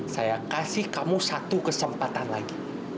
saya kasih kamu satu kesempatan lagi